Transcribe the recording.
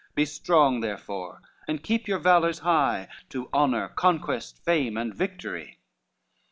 Be strong therefore, and keep your valors high To honor, conquest, fame and victory."